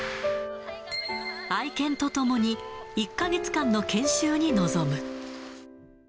愛犬と共に、１か月間の研修に臨む。